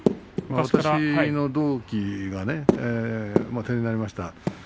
私の同期で定年になりました